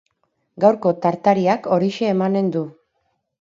Gaurko tartariak horixe emanen du.